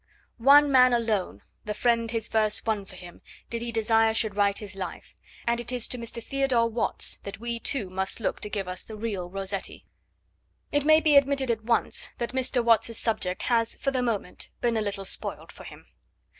One man alone, the friend his verse won for him, did he desire should write his life, and it is to Mr. Theodore Watts that we, too, must look to give us the real Rossetti. It may be admitted at once that Mr. Watts's subject has for the moment been a little spoiled for him.